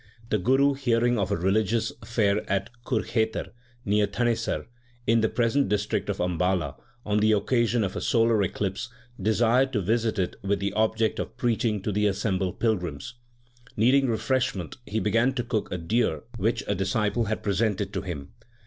The Guru, hearing of a religious fair at Kurkhetar 3 near Thanesar, in the present district of Ambala, on the occasion of a solar eclipse desired to visit it with the object of preaching to the assembled pil grims. Needing refreshment, he began to cook a deer which a disciple had presented to him.